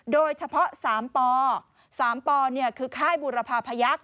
โดยเฉพาะ๓ป๓ปคือค่ายบุรพาพยักษ